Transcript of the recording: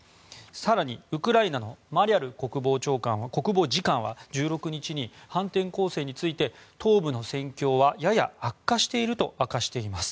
更に、ウクライナのマリャル国防次官は１６日に反転攻勢について東部の戦況はやや悪化していると明かしています。